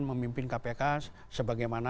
memimpin kpk sebagaimana